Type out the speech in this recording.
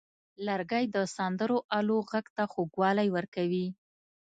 لرګی د سندرو آلو غږ ته خوږوالی ورکوي.